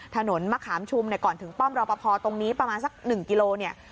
ถนนมะขามชุมก่อนถึงป้อมระปอภอธิษฐ์ตรงนี้ประมาณสัก๑กิโลบาท